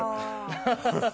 ハハハハ。